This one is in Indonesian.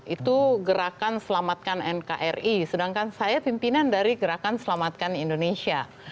itu gerakan selamatkan nkri sedangkan saya pimpinan dari gerakan selamatkan indonesia